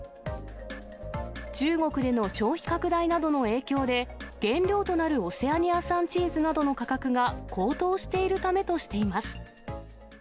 中国での消費拡大などの影響で、原料となるオセアニア産チーズなどの価格が高騰しているためとしています。